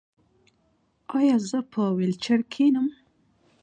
ایا زه به په ویلچیر کینم؟